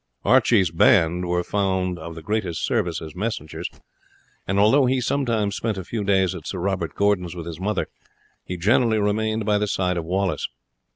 Archie's band were found of the greatest service as messengers; and although he sometimes spent a few days at Sir Robert Gordon's with his mother, he generally remained by the side of Wallace.